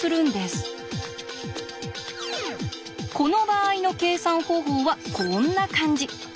この場合の計算方法はこんな感じ。